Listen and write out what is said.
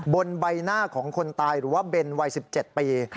บนใบหน้าของคนตายหรือว่าเบนวัย๑๗ปี